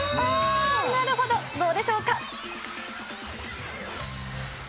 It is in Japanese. なるほど、どうでしょうか。